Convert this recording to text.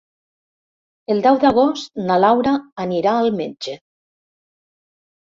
El deu d'agost na Laura anirà al metge.